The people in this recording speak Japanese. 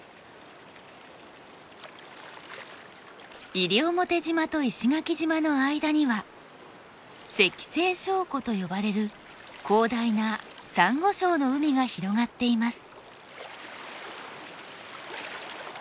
西表島と石垣島の間には石西礁湖と呼ばれる広大なサンゴ礁の海が広がっています。